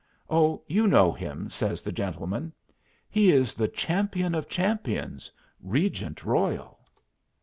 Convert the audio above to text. "Oh, you know him," says the gentleman. "He is the champion of champions, Regent Royal."